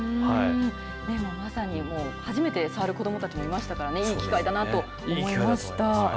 まさに初めて触る子どもたちもいましたからね、いい機会だなと思いました。